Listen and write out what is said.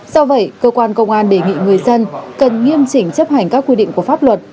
do vậy cơ quan công an đề nghị người dân cần nghiêm chỉnh chấp hành các quy định của pháp luật